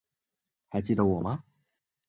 还记得我吗？